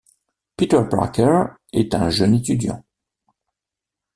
Peter Parker est un jeune étudiant.